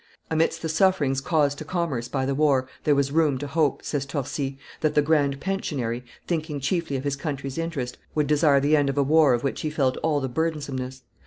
"Amidst the sufferings caused to commerce by the war, there was room to hope," says Torcy, "that the grand pensionary, thinking chiefly of his country's interest, would desire the end of a war of which he felt all the burdensomeness.